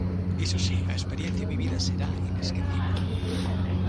Iso si, a experiencia vivida será inesquecible.